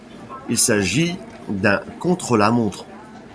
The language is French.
Il s'agit d'un contre-la-montre.